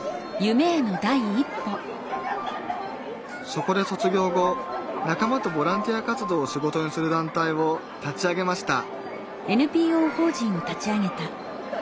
そこで卒業後仲間とボランティア活動を仕事にする団体を立ち上げました